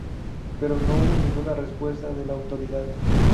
Pero no hubo ninguna respuesta de la autoridad.